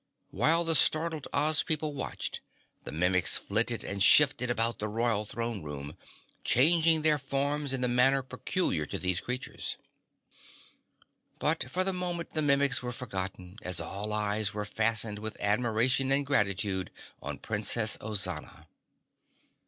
While the startled Oz people watched, the Mimics flitted and shifted about the Royal Throne Room, changing their forms in the manner peculiar to these creatures. But for the moment the Mimics were forgotten, as all eyes were fastened with admiration and gratitude on Princess Ozana.